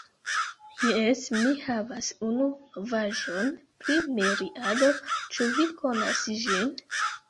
Jes, mi havas unu novaĵon pri Miriado. Ĉu vi konas ĝin?